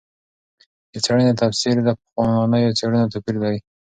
د څېړنې تفسیر له پخوانیو څېړنو توپیر لري.